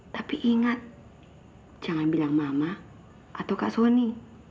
tapi ingat jangan bilang mama atau kak soni